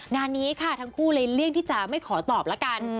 งานนี้ค่ะทั้งคู่เลยเลี่ยงที่จะไม่ขอตอบละกัน